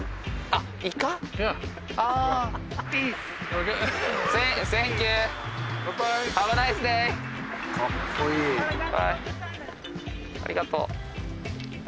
ありがとう。